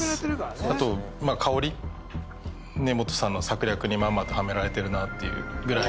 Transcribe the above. あと根本さんの策略にまんまとはめられてるなっていうぐらい